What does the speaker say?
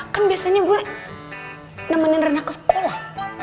kan biasanya gue nemenin anak ke sekolah